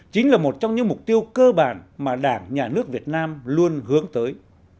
chính là một trong những mục tiêu cơ bản mà đảng nhà nước việt nam luôn hướng tới